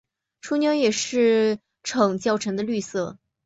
雏鸟也是呈较沉的绿色。